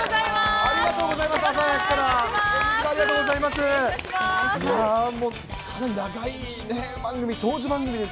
ありがとうございます。